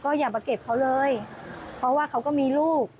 อย่ามาเก็บเขาเลยเพราะว่าเขาก็มีลูก